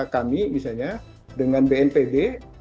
kami misalnya dengan bnpd